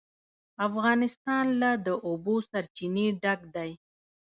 افغانستان له د اوبو سرچینې ډک دی.